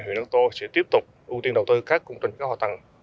huyện đắc tô sẽ tiếp tục ưu tiên đầu tư các công trình cơ hạ tầng